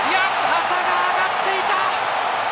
旗が上がっていた。